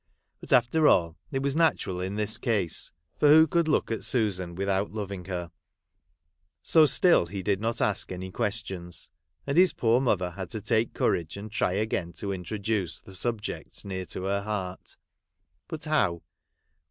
But after all it was natural in this case, for who could look at Susan with out loving her ? So still he did not ask any questions, and his poor mother had to take courage, and try again to introduce the sub ject near to her heart. But how